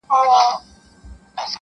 وخته راسه مرور ستوري پخلا کړو,